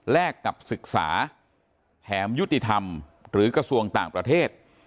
กับศึกษาแถมยุติธรรมหรือกระทรวงต่างประเทศ